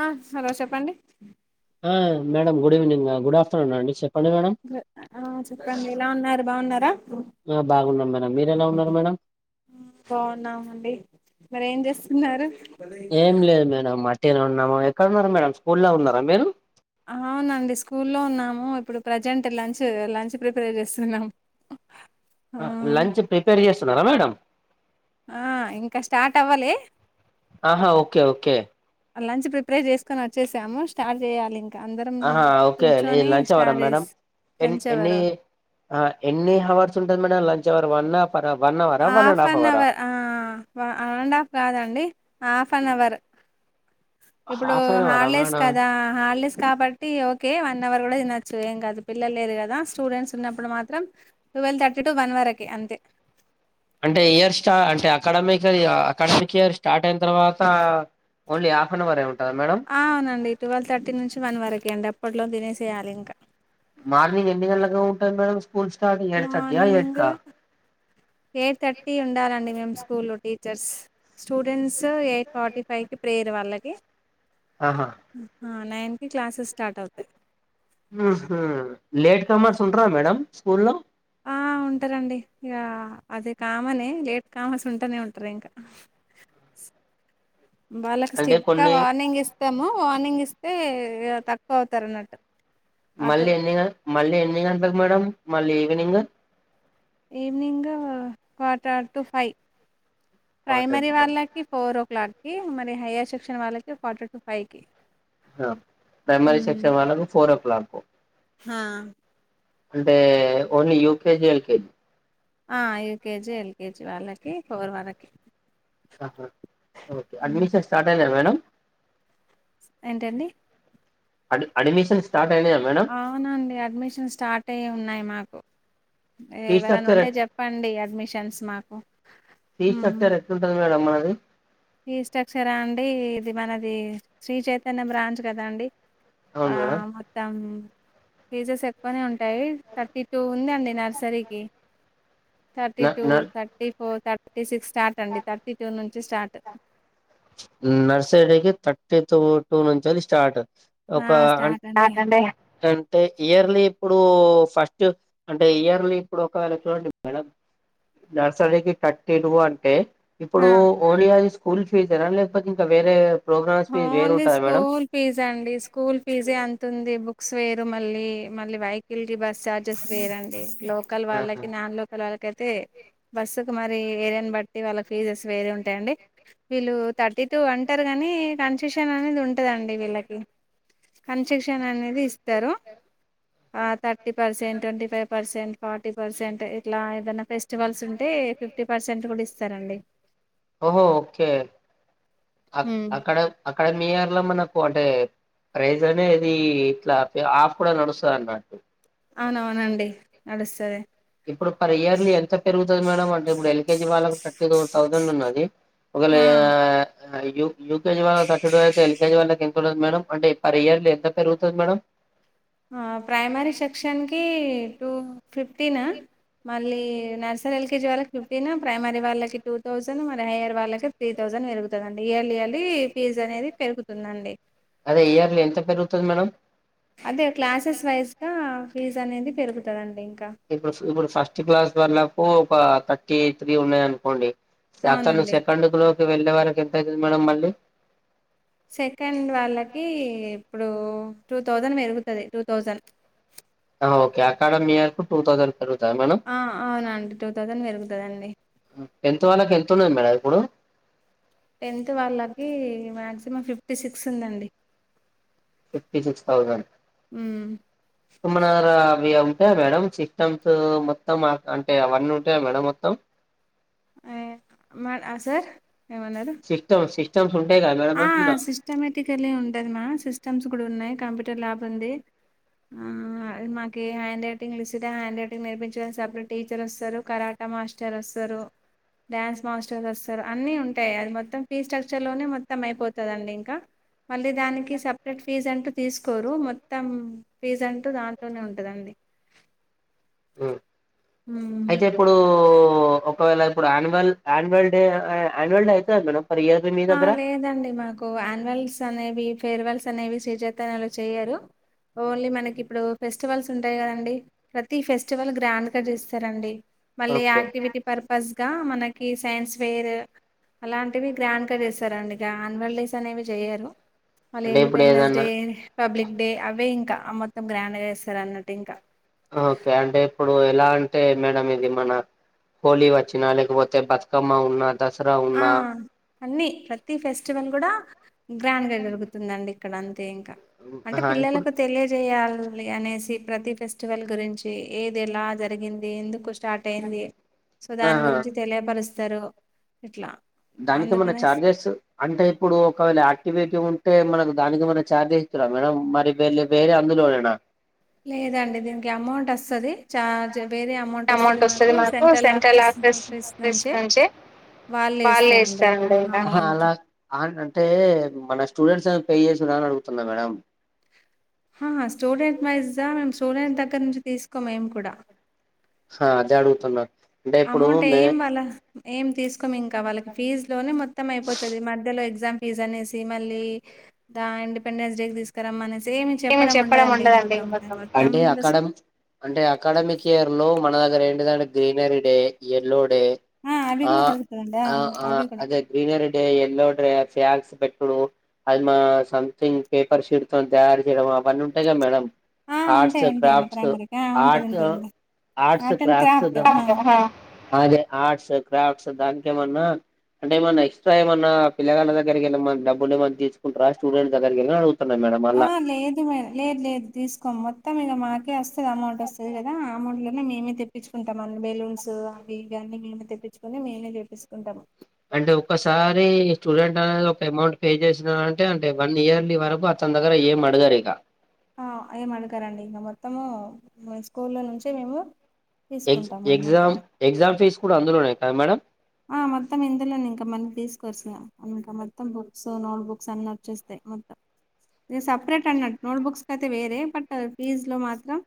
ఆ హలో చెప్పండి ఆ మేడం గుడ్ ఈవెనింగ్ అం గుడ్ ఆఫ్టర్నూన్ అండి చెప్ ఆ చెప్పండి ఏలా ఉన్నారు బావున్నారా ఆ బాగున్నాం మేడం మీరు ఎలా ఉన్నారు మేడం బావున్నామండి మీరు ఏం చేస్తున్నారు ఏం లేదు మేడం అట్టిగనే ఉన్నాము ఎక్కడ ఉన్నారు మేడం స్కూల్ లో ఉన్నారా మీరు ఆవునండి స్కూల్లో ఉన్నాము ఇప్పుడు ప్రెజెంట్ లంచ్ లంచ్ ప్రిపేర్ చేస్తున్నాం ఆ లంచ్ ప్రిపేర్ చేస్తున్నరా మేడం ఆ ఇంక స్టార్ట్ అవ్వలే అహా ఓకే ఓకే లంచ్ ప్రిపేర్ చేసుకొని వచ్చేసాము స్టార్ట్ చేయాలి ఇం క అందరం ఆహా ఓకే ఈ కూర్చుని లంచ్ అవరా స్టార్ట్ మేడం చేస్ ఎన్ లంచ్ ఎన్ని అవరు ఆ ఎన్ని హవర్స్ ఉంటది madam lunch hour one of one of half an hour ఆ వ వన్ అండ్ హాఫ్ కాదండి హాఫ్ అన్ అవర్ ఇప్పుడు హాఫ్ అన్ అవరా హాలిడేస్ మేడం కదా హాలిడేస్ కాబట్ ట్టి ఓకే వన్ అవర్ గూడ తినొచ్చు ఏం గాదు పిల్లలు లేరు గదా స్టూడెంట్స్ ఉన్నప్పుడు మాత్రం ట్వల్ థర్టీ టు వన్ వరకి అంతే అంటే ఇయర్ స్టా అంటే అకడమిక్ అకడమిక్ ఇయర్ స్టార్ట్ అయిన తర్వాతా ఒన్లీ హాఫ్ అన్ అవరే ఉంటదా మేడం ఆ అవునండి ట్వల్ థర్టీ నుంచి వన్ వరకే అండి అప్పట్లో తినేసేయాలి ఇంక మార్నింగ్ ఎన్ని గంటలుకు ఉంటది మేడం స్కూల్ స్టార్ట్ ఎయిట్ థర్టీయా మార్నింగ్ ఎయిట్కా ఎయిట్ థర్టీ ఉండాలండి మేము స్కూల్లో teachers students eight forty five కి ప్రేయర్ వాళ్ళకి ఆహా నైన్ కి క్లాసెస్ స్టార్ట్ అవుతయ్ ఊహూ లేట్ కమర్స్ ఉంటరా మేడం స్కూల్లో ఆ ఉంటరండి ఇగా అది కామనే లేట్ కామర్స్ ఉంటనే ఉంటరు ఇంక వాళ్ళకు అంటే స్ట్రిట్గా కొన్ని వార్నింగ్ ఇస్తము వార్నింగ్ ఇస్తే తక్కువ అవుతారు అన్నట్టు అటు మళ్ళీ ఎన్ని గ మళ్ళీ ఎన్ని గంటలకు మేడం మళ్ళీ evening evening quarter to five quarter primary to five వాళ్ళక్ కి ఫోరో క్లాక్ కి మళ్ళి హైయర్ సెక్షన్ వాళ్ళకి క్వార్టర్ టు ఫై కి హ ప్రైమరీ సెక్షన్ వాళ్ళకు ఫోరో క్లాక్ కు హు అంటే ఒన్లీ యూకేజి ఎల్కేజి ఆ యూకేజి ఎల్కేజి వాళ్ళకి ఫోర్ వరకి అహ ఓకే హ్మ్. అడ్మిషన్స్ స్టార్ట్ అయినయ మేడం ఏంటండి అడ్ అడ్మిషన్ స్టార్ట్ అయినయా మేడం అవునండి అడ్మిషన్ స్టార్ట్ అయి ఉన్నాయి మాకు ఫీ ఎవరన్న స్ట్రక్చర్ ఉంటే చెప్పండి అడ్మిషన్స్ మాకు ఫీ ఉ స్ట్రక్చర్ ఎట్లుంటది మేడం మనది ఫీ స్ట్రక్చరా అండి ఇది మనది శ్రీచైతన్య బ్రాంచ్ కదా అండి ఆ అవును మేడం మొత్తం ఫీజస్ ఎక్కువనే ఉంటాయి థర్టీ టూ ఉందండి నర్సరీకి న థర్టీ టూ న thirty four thirty six start అండి థర్టీ టూ నుంచి స్టార్ట్ నర్సరీకి థర్టీ టూ దోసండ్ నుంచి స్టార్ట్ ఆ ఒక స్టార్ట్ అండి ఆన్ టే ఇయర్లీ ఇప్పుడు ఫస్ట్ అంటే ఇయర్లీ ఇప్పుడు ఒకవేళ చూడండి మేడం నర్సరికి థర్టీ టు అంటే ఆ ఇప్పుడు ఓరియాది స్కూల్ ఫీజ్ ఏనా లేకపోతే ఇంకా వేరే ప్రోగ్రామ్స్ ఫీజ్ వేరు ఓన్లీ ఉంటదా మేడం స్కూల్ ఫీజ్ అండి స్కూల్ ఫీజే అంత ఉంది బు బుక్స్ వేరు మళ్ళీ మళ్ళీ వెహికల్ రీ బస్ చార్జెస్ వేరండి లోకల్ ఆహా వాళ్ళకి నాన్ లో పిల్లలకు అయితే బస్సుకు మరి ఏరియాని బట్టి వాళ్ళ ఫీజెస్ వేరే ఉంటాయండి వీళ్ళు థర్టీ టూ అంటారు గానీ కన్సషన్ అనేది ఉంటదండి వీళ్ళకి కన్సక్షన్ అనేది ఇస్తారు ఆ thirty percent twenty five percent forty percent ఇట్లా ఏదైనా ఫెస్టివల్స్ ఉంటే ఫిఫ్టీ పర్సెంట్ కూడా ఇస్తారండి ఓహో ఓకే అ అక్కడ అక్కడ నీయర్ లో మనకు అంటే ప్రైజ్ అనేది ఇట్లా ఆఫ్ కూడా నడుస్తది అన్నట్టు అవునవునండి నడుస్తది ఇప్పుడు పర్ ఇయర్లీ ఎంత పెరుగుతుంది మేడం అంటే ఇప్పుడు ఎల్కేజీ వాళ్ళకి థర్టీ టూ థౌసండ్ ఉన్నది ఒక ఆ వేళ యు యూకేజీ వాళ్ళకు థర్టీ టూ అయితే ఎల్కేజీ వాళ్ళ ఎంత ఉండదు మేడం అంటే పర్ ఇయర్లీ ఎంత పెరుగుతది మేడం ఆ ప్రైమరీ సెక్షన్కి టూ ఫిఫ్టీనా మళ్ళీ నర్సరీ ఎల్కేజీ వాళ్ళకి ఫిఫ్టీన్ ప్రైమరీ వాళ్ళకి టూ థౌసండ్ మరి హైయర్ వాళ్ళకి త్రీ థౌజండ్ పెరుగుతది అండి ఇయర్లీ ఇయర్లీ ఫీజ్ అనేది పెరుగుతుందండి అదే ఇయర్లీ ఎంత పెరుగుతది మేడం అదే క్లాసెస్ వైజ్ గా ఫీజ్ అనేది పెరుగుతది అండి ఇంకా ఇప్పుడు ఇప్పుడు ఫస్ట్ క్లాస్ వాళ్ళకు ఒక థర్టీ త్రీ ఉన్నాయి అనుకోండి అతను అవునండి సెకండ్ లోకి వెళ్ళే వరకి ఎంత అయతది మేడం మళ్ళీ సెకండ్ వాళ్ళకి ఇప్పుడు టూ థౌజండ్ పెరుగుతది two thousand okay academy year కు టూ థౌసండ్ పెరుగుతది మేడం ఆ అవునండి టూ థౌజండ్ పెరుగుతది అండి టెన్త్ వాళ్ళకి ఎంత ఉన్నది మేడం ఇప్పుడు టెన్త్ వాళ్ళకి మ్యాగ్సిమం ఫిఫ్టీ సిక్స్ ఉందండి ఫిఫ్టీ సిక్స్ థౌజండ్ మ్మ్ తమ్మనర అవి ఉంటాయా మేడం సిస్టమ్స్ మొత్తం అంటే అవన్నీ ఉంటాయా మేడం మొత్తం ఆయ్ మ న సార్ ఏమన్నరు సిస్టమ్ సిస్టమ్స్ ఉంటయి గా మేడం అంటున్న ఆస్టోమేటికలీ ఉంటదిమా సిస్టమ్స్ కూడా ఉన్నాయి కంప్యూటర్ ల్యాబ్ ఉంది ఆ మాకి హ్యాండ్ రైటింగ్ లుసిడ హ్యాండ్ రైటింగ్ నర్సించడ సపరేట్ టీచర్ వస్తారు కరాట్ ట మాస్టర్ వస్తారు డ్యాన్స్ మాస్టర్స్ వస్తారు అన్నీ ఉంటాయి అది మొత్తం ఫీ స్ట్రక్చర్ లోనే మొ మొత్తం అయిపోతుందిండి ఇంకా మళ్ళీ దానికి సపరేట్ ఫీజ్ అంటూ తీసుకోరు మొత్తం ఫీజ్ అంటూ దాంట్లోనే ఉంటదండి [unintelligible] మ్మ్ అయితే ఇప్పుడు ఒకవేళ ఇప్పుడు యాన్యువల్ యాన్యువల్ డే ఆయాన్యువల్ డే అయితదా మేడం ఫర్ ఇయర్ మీ ఆ దగ్గర లేదండి మాకు యాన్యుల్స్ అనేవి ఫేర్వెల్స్ అనేవి శ్రీ చైతన్యా లో చేయ్యరు ఓన్లీ మనకి ఇప్పుడు ఫెస్టివల్స్ ఉంటాయి కదండి ప్రతీ ఫెస్టివల్ గ్రాండ్ గా చేస్తారండి మళ్ళీ ఓకే యాక్టివిటీ పర్పస్ గా మనకి సైన్స్ వేర్ అలాంటివి గ్రాండ్గా చేస్తారండి ఇగ ఆన్యువల్ డేస్ అనేవి చేయరు మళ్ళీ అంటే ఇప్పుడు ఇండిపెండెన్స్ ఏదన్నా డే పబ్లిక్ డే అవే ఇంక అ మొత్తం గ్రాండ్ చేస్తారు అన్నట్టు ఇంక ఓకే అంటే ఇప్పుడు ఎలా అంటే మేడం ఇది మన హోలీ వచ్చినా లేకపోతే బతుకమ్మ ఉన్నా దసరా ఆ ఉన్నా అన్నీ ప్రతీ ఫెస్టివల్ కూడ గ్రాండ్గా జరుగుత్ తుందండి ఇక్కడ అంతే ఇంక అంటే ఆహా ఇప్పుడు పిల్లలకు తెలిద్ చేయాలి అనేసి ప్రతి ఫెస్టివల్ గురించి ఏది ఎలా జరిగింది ఎందుకు స్టార్ట్ అయింది సొ దాని ఆహా గురించి తెలియపరుస్తరు ఇట్లా దానికేమన్నా అందుకనే చార్జెస్సు అంటే ఇప్పుడు ఒకవేళ యాక్టివిటీ ఉంటే మనకు దానికేమన్న చార్జ్ ఎసి ఇస్తరా మేడం మరి వెళ్ళి వేరే అందులోనెనా లేదండి దీనికి అమౌంట్ ఒస్తది చార్జ్ వేరే అమౌంట్ వస్తది మనకు సెంట్రల్ ఆఫీస్ ఆఫీస్ నుంచి వాళ్ళే ఇస్తారండి ఇంక అమౌంట్ ఆన్ అంటే మన స్టూడెంట్స్ ఎమన పే చేసిరా అని అడుగుతున్న మేడం హా స్టూడెంట్ వైజా మేము స్టూడెంట్ దగ్గర నుంచి తీసుకోం మేం కూడా హా అదే అడుగుతున్నరు అమౌంట్ ఏం వాళ ఏం తీసు కోం ఇంక వాళ్ళకి ఫీజ్ లోనే మొత్తం అయిపోతది మధ్యలో ఎగ్జామ్ ఫిజ్ అనేేసి మళ్ళీ దా ఇండిపెండెన్స్ డే కి తీసు కరమ్మనేసి ఏమి చెప్పడం ఉండదండి ఇగ మొత్తం మొత్తం అంటే స్కూ అకాడమి అంటే అకాడమిక్ ఇయర్ లో మన దగ్గర ఏంటిదంటే గ్రీనరీ డే యెల్లో డే అవి ఆ కూడా కలుగుతదండి. ఆ ఆ అవి కూడా. అదే గ్రీనరీ డే యెల్లో డే ఫ్యాక్స్ పెట్డుడు అది మా సంథింగ్ పేపర్ షెడ్ తోని తయారు చేయడం అవన్ని ఉంటయి గా మేడం ఆ! ఆర్ట్స్ ఉంటాయి. ఉంటాయండి క్రాఫ్ట్స్ ప్రైమరీకి. ఆ! ఉంటది. ఆర్ట్ ఉంటదండి arts art and crafts craft. ఆ! [inaudible] అదే ఆర్ట్స్ క్రాఫ్ట్స్ దానికేమన్నా అంటేమన్న ఎక్సట్రా ఏమన్న పిల్లగాళ్ళ దగ్గకి ఎళ్ళి ఎమన డబ్బుల్ లేవని తీసుకుంటరా స్టూడెంట్స్ దగ్గరకెళ్ళి అడుగు తున్న మేడం ఆ అలా లేదు మే లేదు లేదు తీసుకోము మొత్తం ఇగ మాకే ఒస్తది అమౌంట్ వస్తది గదా ఆ అమౌంట్ లోనే మెమె తెప్ తెప్పించుకుంటాం అన్ని బెల్లూన్స్ అవి ఇవి అని మేమే తెప్పించుకొని మేమే చేసుకుంటున్నావ్ అంటే ఒక్కసారి స్టూడెంట్ అనేది ఒక అమౌంట్ పే చేసినా అంటే అంటే వన్ ఇయర్లీ వరకు తన్ దగ్గర ఏం అడుగరు ఇగా ఆ ఏం అడగరండి ఇగ మొత్తము స్కూల్లో నుంచే మేము ఎగ్జ్ తీసుకుంటాం అన్నట్టు ఎగ్జామ్ ఎగ్జామ్ ఫీజ్ కూడ అందులోనే కదా మేడం ఆ మొత్తం ఇందులోనే ఇంక మళ్ళీ తీసుకోరు సార్ ఇంక మొత్తం బుక్స్ నోట్ బుక్స్ అన్ని వచ్చేస్తయ్ మొత్తం ఇగ సెపరేట్ అన్నట్టు నోట్స్ బుక్స్కి అయితే వేరే బట్ ఫీజులు మాత్రం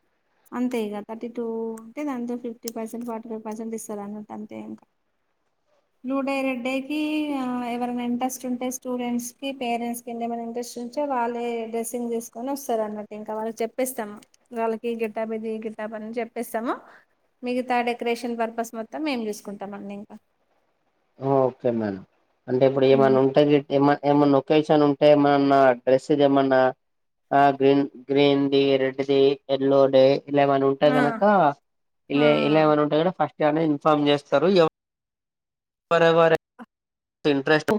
అంతే ఇగ థర్టీ టూ ఉంటే దాంతో fifty percent forty five percent ఇస్తరు అన్నట్టు అంతే ఇంక బ్లూడే రెడ్డే కి ఆ ఎవరైన ఇంట్రెస్ట్ ఉంటే స్టూడెంట్స్ కి పేరెంట్స్ ఎం ఆయన ఇంట్రెస్ట్ ఉంటే వాళ్లే డ్రెస్ చేంజ్ చేసుకొని ఒస్తారు అన్నట్టు ఇంకా వాళ్ళకి చెపేస్తాం ఇంకా వాళ్ళకి ఈ గేటప్ ఈ గేటప్ అని చెప్పేస్తము మిగతా డెకరేషన్ పర్పస్ మొత్తం మేము చూసుకుంటం అండి ఇంక ఓకే మ్యామ్ అంటే ఇప్పుడు ఏమైన్న ఉంటది ఏమన్ ఏమన్న ఒకేషన్ ఉంటే ఏమన్నా డ్రెస్స్ దేమన్నా ఆ గ్రీన్ గ్రీన్ ది రెడ్ ది యెల్లో డే ఇలా ఏమన్న ఉంటే ఆ గనక ఆ ఇల ఇలా ఏమన్న ఉంటే గన ఫస్ట్ ఏమన్న ఇన్ఫార్మ్ చేస్తరు ఎవ వరెవరే ఇంట్రెస్ట్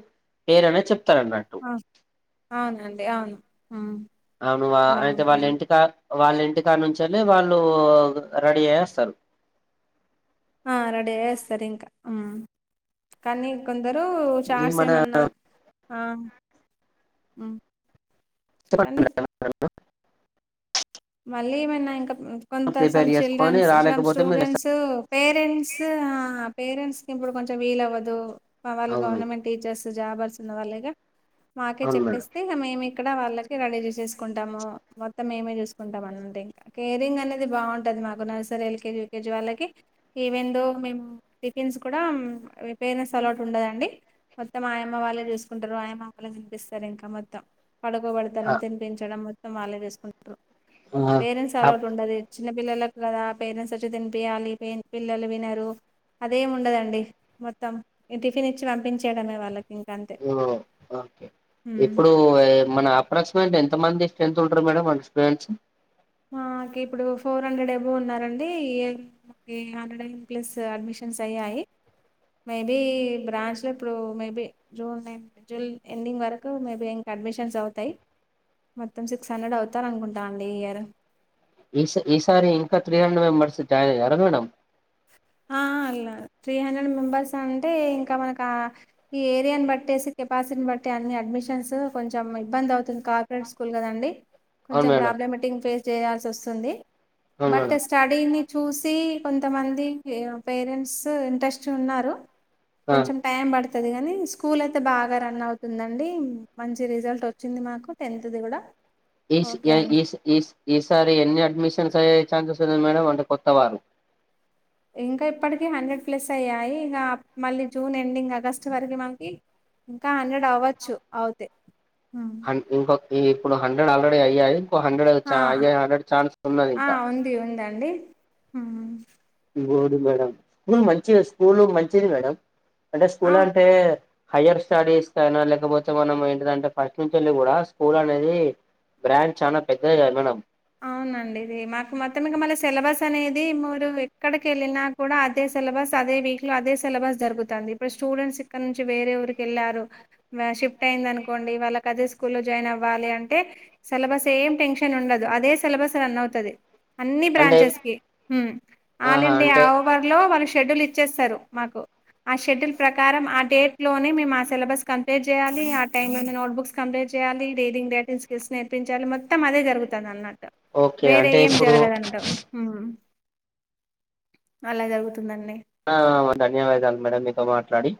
పేరైన చెప్తారు అన్నట్టు అ అవునండి అవును హ్మ అవును ఆ అయితే వాళ్ళింటికా వల్ల ఇంటి కడనుంచి వాళ్ళు రడీ అయ్యి ఒస్తరు ఆ రడి అయ్యి ఒస్తరు ఇంకా హ్మ కనీ కొందరూ ఈ చాట్స మన ఏమన్నా ఆ హ్మ చెప్పండి మళ్ళీ ఏమైన ఇంక కొంత సమ్ ప్రిపేర్ చేసుకొని చిల్డ్రన్స్ సమ్ రాలేకపోతే మీరు స్టూడెంట్స్ టు పేరెంట్స్ ఆ పేరెంట్స్కి ఇప్పుడు కొంచెం విల్లు అవ్వదు వాళ్ళు అవును గవర్నమెంట్ టీచర్స్ జాబర్స్ ఉన్న వాళ్ళేగా మాకే అవును మేడం చెప్పేస్తే ఇగ మేము ఇక్కడ వాళ్ళకి రడీ చూసేసుకుంటాము మొత్తం మేమే చూసుక్ కుంటాం అంటే ఇంక కేరింగ్ అనేది బావుంటది మాకు నర్సరి ఎల్కేజి యూకేజి వాళ్ళకి ఈవెన్ థో మేము టిఫిన్స్ కూడా పేరెంట్స్ అలౌట్ ఉండదండి మొత్తం ఆయమ్మ వాళ్ళే చూసుకుంటరు ఆయమ్మ వాళ్ళే తినిపిస్తరు ఇంక మొత్తం ఆ పడుకోబెట్టడం తినిపించడం మొత్తం వాళ్ళే చూసుకుంటారు ఆ పేరెంట్స్ అప్ అలౌట్ ఉండదు చిన్న పిల్లలకు గదా పేరెంట్స్ వచ్చి తినిపియాలి పెన్ పిల్లలు వినరు అదేం ఉండదండి మొత్తం టిఫిన్ ఇచ్చి పంపించేయడమే వాళ్ళకి అంతే ఓ ఓకే ఇప్పుడూ ఎ మనా అప్రాక్సిమేట్ ఎంత మంది స్ట్రెంత్ ఉంటరు మేడం మనకి స్టూడెంట్స్ మా కిప్పుడు ఫోర్ హండ్రెడ్ ఎబో ఉన్నారండి ఈ ఇయర్ హండ్రెడ్ ఎన్ ప్లస్ అడ్మిషన్స్ అయ్యాయి మేబీ బ్రాంచ్లో ఇప్పుడు మేబి జూన్నె జుల్ ఎండింగ్ వరకు మేబీ ఇంక అడ్మిషన్స్ అవుతయ్ మొత్తం సిక్స్ హండ్రెడ్ అవుతార్ అనుకుంటా అండి ఈ ఇయర్ ఈస్ ఈసారి ఇంక త్రీ హండ్రెడ్ మెంబెర్స్ జాయిన్ అయ్యారా మేడం ఆ ఆ అలా త్రీ హండ్రెడ్ మెంబర్స్ అంటే ఇంక మనకా ఈ ఏరియాని బట్టేసి కెపాసిటిని బట్టి అన్ని అడ్మిషన్స్ కొంచెం ఇబ్బంది అవుతుంది కా ప్రైవేట్ స్కూల్ కదండి అవును కొంచెం మేడం ప్రాబ్లమేటింగ్ ఫేస్ చేయాల్సి వస్తుంది అవును బట్ మేడం స్టార్ట్ దీన్ని చూసి కొంతమంది పేరెంట్స్ ఇంట్రెస్ట్ ఉన్నారు ఆ కొంచెం టైం పడు తది గానీ స్కూల్ అయితే బాగా రన్ అవుతుందండి మంచిగా రిజల్ట్ వచ్చింది మాకు టెన్త్ ది గూడా ఈస్ యా ఈస్ ఈస్ ఈసారి ఎన్ని అడ్మిషన్స్ అయ్యే ఛాన్సెస్ ఉంది మేడం అంటే కొత్త వారు ఇంకా ఇప్పటికీ హండ్రెడ్ ప్లస్ అయ్యాయి ఇగా అప్ మళ్ళీ జూన్ ఎండింగ్ అగస్ట్ వరకి మాకి ఇంకా హండ్రెడ్ అవచ్చు ఆవుతే హన్ ఇంకొక్ ఇప్పుడు హండెడ్ ఆల్రెడీ అయ్యాయి ఇంకో హండ్రెడ్ అయ్ చా అయ్యే హండెడ్ ఛాన్స్ ఉన్నది ఇంకా ది ఉందండి ఇంగోది మేడం స్కూల్ మంచిగా స్కూలు మంచిది మేడం అంటే ఆ స్కూల్ అంటే హైయ్యర్ స్టడీస్ కైనా లేకపోతే మనం ఏంటిదంటే ఫస్ట్ నుంచేల్లి కూడా స్కూల్ అనేది బ్రాండ్ చానా పెద్దది గదా మేడం అవునండి ఇది మాకు మొత్తం ఇగ మళ్ళ సిలబస్ అనేది మూరు ఎక్కడికెళ్ళినా కూడా అదే సిలబస్ అదే వీక్ లో అదే సిలబస్ జరుగుతాంది ఇప్పుడు స్టూడెంట్స్ ఇక్కడ నుంచి వేరే ఊరికి ఎళ్ళారు లా షిఫ్ట్ అయ్యింది అనుకోండి వాళ్ళకి అదే స్కూల్లో జాయిన్ అవ్వాలి అంటే సెలబస్ ఏం టెన్షన్ ఉండ దుఅదే సిలబస్ రన్ అవుతది అన్నీ అంటే బ్రాంచెస్ కి హ్మ్ ఆల్ ఆహా ఇండియా అంటే [unintelligible] లో వాళ్ళు షెడ్యూల్ ఇచ్చేస్తారు మాకు ఆ షెడ్యూల్ ప్రకారం ఆ డేట్ లోనే మేం ఆ సిలబస్ కంప్లీట్ చెయ్యాలి ఆ టైం లోనే నోట్బుక్స్ కంప్లీట్ చెయ్యాలి రీడింగ్ డేటింగ్ స్కిల్స్ నేర్పించాలి మొత్తం అదే జరుగుతది అన్నట్టు ఓకే వేరే అంటే ఏం ఇప్పుడు జరగదంటం ఉమ్ అలా జరుగుతుందండి ఆవ్ ధన్యవాదాలు మేడం మీతో మాట్లాడి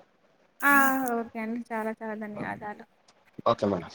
ఆ ఓకే అండి చాలా చాలా ధన్యవాదాలు ఓకే